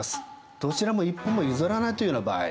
どちらも一歩も譲らないというような場合。